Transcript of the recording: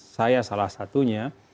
saya salah satunya